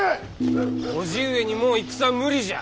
叔父上にもう戦は無理じゃ。